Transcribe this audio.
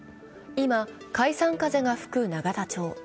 今、解散風が吹く永田町。